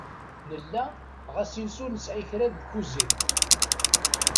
Nella ɣas in-s ur nesεi kra deg tkuzint.